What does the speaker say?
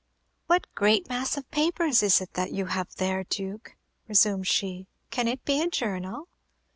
"What great mass of papers is that you have there, Duke?" resumed she. "Can it be a journal?"